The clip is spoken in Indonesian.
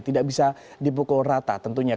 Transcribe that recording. tidak bisa dipukul rata tentunya